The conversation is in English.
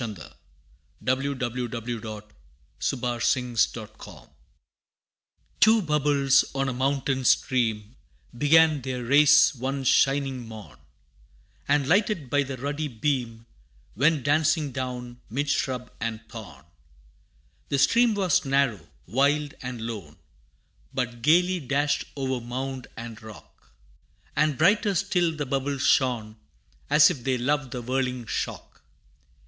[Illustration: The Rival Bubbles] Two bubbles on a mountain stream, Began their race one shining morn, And lighted by the ruddy beam, Went dancing down 'mid shrub and thorn. The stream was narrow, wild and lone, But gayly dashed o'er mound and rock, And brighter still the bubbles shone, As if they loved the whirling shock.